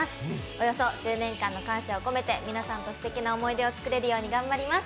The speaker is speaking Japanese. およそ１０年間の感謝を込めて、皆さんとすてきな思い出を作れるように頑張ります。